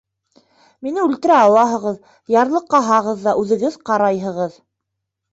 Мине үлтерә алаһығыҙ, ярлыҡаһағыҙ ҙа үҙегеҙ ҡарайһығыҙ.